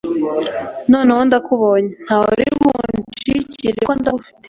noneho ndakubonye ntaho uri bunshikire kuko ndagufite